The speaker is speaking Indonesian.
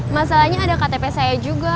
masalahnya ada ktp saya juga